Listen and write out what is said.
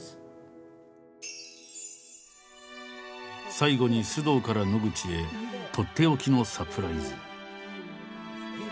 最後に須藤から野口へとっておきのサプライズ。